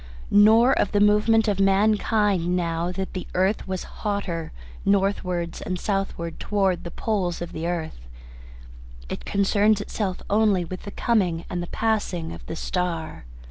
Nor of the movement of mankind, now that the earth was hotter, northward and southward towards the poles of the earth. It concerns itself only with the coming and the passing of the star.